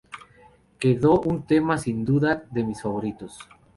Quedó un tema sin duda de mis favoritos.